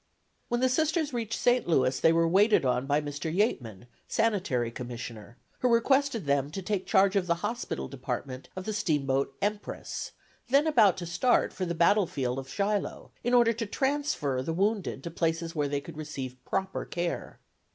When the Sisters reached St. Louis they were waited on by Mr. Yateman, Sanitary Commissioner, who requested them to take charge of the hospital department of the steamboat "Empress," then about to start for the battlefield of Shiloh, in order to transfer the wounded to places where they could receive proper care.